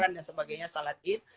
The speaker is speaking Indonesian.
dan sebagainya salah itu